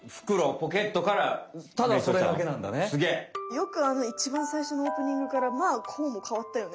よくあのいちばんさいしょのオープニングからまあこうもかわったよね。